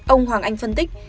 ông hoàng anh phân tích